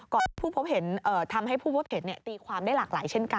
ที่ผู้พบเห็นทำให้ผู้พบเห็นตีความได้หลากหลายเช่นกัน